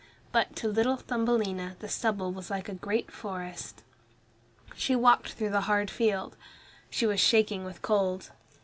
But to little Thumbelina the stubble was like a great forest. She walked through the hard field. She was shaking with cold.